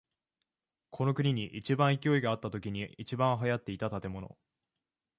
この国に一番勢いがあったときに一番流行っていた建物。